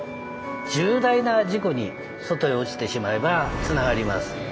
重大な事故に外へ落ちてしまえばつながります。